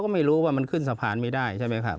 ก็ไม่รู้ว่ามันขึ้นสะพานไม่ได้ใช่ไหมครับ